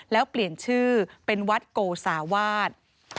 แล้วเปลี่ยนชื่อเป็นวัดโกสาวาส